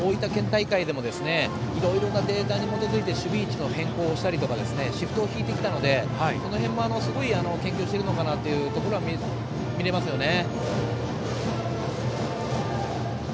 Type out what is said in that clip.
大会でもいろいろなデータに基づいて守備位置の変更をしたりとかシフトを敷いてきたのでその辺も研究しているのかなというところが見えますよね。